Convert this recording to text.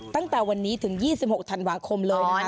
ตั้งแต่วันนี้ถึง๒๖ธันวาคมเลยนะคะ